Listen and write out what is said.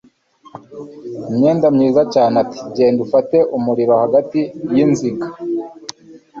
imyenda myiza cyane ati genda ufate umuriro hagati y inziga